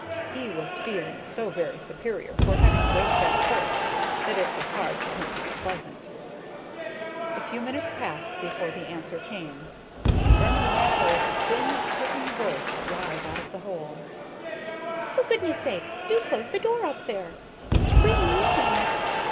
He was feeling so very superior for having waked up first that it was hard for him to be pleasant. A few moments passed before the answer came. Then Maya heard a thin, chirping voice rise out of the hole. "For goodness' sake, do close the door up there. It's raining in."